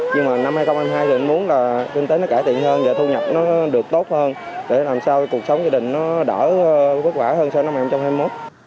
nhưng mà năm hai nghìn hai mươi hai thì mình muốn là kinh tế nó cải thiện hơn và thu nhập nó được tốt hơn để làm sao cuộc sống gia đình nó đỡ vất vả hơn sau năm hai nghìn hai mươi một